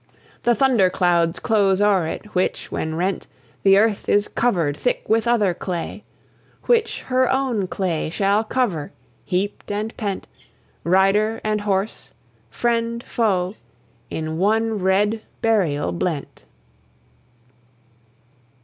The thunder clouds close o'er it, which, when rent, The earth is covered thick with other clay, Which her own clay shall cover, heaped and pent, Rider, and horse friend, foe in one red burial blent!